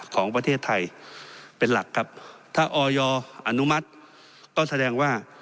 ของประเทศไทยเป็นหลักครับถ้าออยอนุมัติก็แสดงว่า